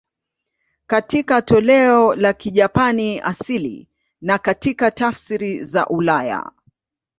Katika toleo la Kijapani asili na katika tafsiri za ulaya.